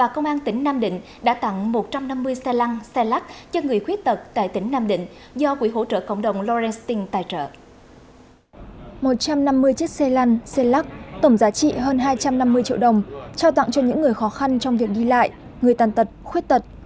một trăm năm mươi chiếc xe lăn xe lắc tổng giá trị hơn hai trăm năm mươi triệu đồng trao tặng cho những người khó khăn trong việc đi lại người tàn tật khuyết tật